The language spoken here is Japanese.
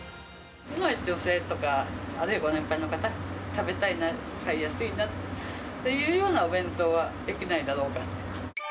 女性とかあるいはご年配の方、食べたいな、買いやすいなというようなお弁当はできないだろうかと。